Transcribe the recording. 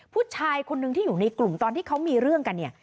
ผู้ชายคนนึงที่อยู่ในกลุ่มตอนที่เขามีเรื่องกันเนี่ย